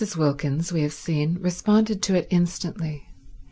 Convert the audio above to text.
Wilkins, we have seen, responded to it instantly.